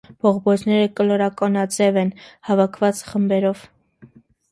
Բողբոջները կլորակոնաձև են, հավաքված խմբերով։